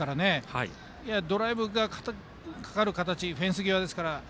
ややドライブがかかる形フェンス際ですから。